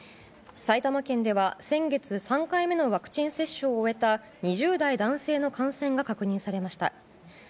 埼玉県では先月３回目のワクチン接種を終えた２０代男性の感染が確認されました。